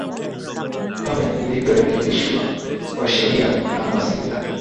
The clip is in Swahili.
kama ilivyo rekebishwa kwa sheria namba Sita